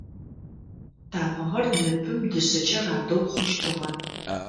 Тамыгъэр ныпым дышъэкӏэ радэу хъущтыгъэ.